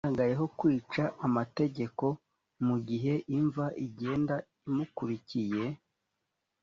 agaragayeho kwica amategeko mu gihe imva igenda imukurikiye